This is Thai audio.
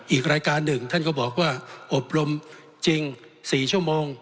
อีกรายการหนึ่งท่านก็บอกว่าอบรมจริง๔ชั่วโมง